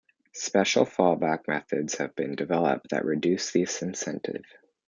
Special fall-back methods have been developed that reduce this incentive.